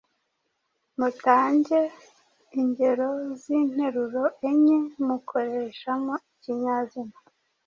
Mutange ingero z’interuro enye mukoreshamo ikinyazina